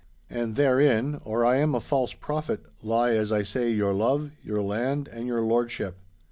And therein (or I am a false prophet) lie, as I say, your love, your land, and your lordship.